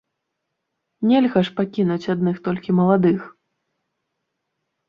Нельга ж пакінуць адных толькі маладых.